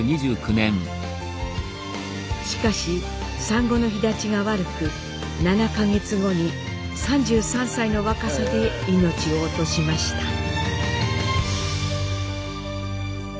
しかし産後の肥立ちが悪く７か月後に３３歳の若さで命を落としました。